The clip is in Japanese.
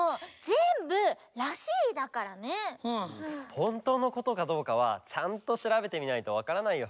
ほんとうのことかどうかはちゃんとしらべてみないとわからないよ。